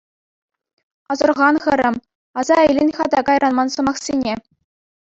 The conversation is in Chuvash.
Асӑрхан, хӗрӗм, аса илӗн-ха та кайран ман сӑмахсене.